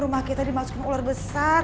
rumah kita dimasukkan ular besar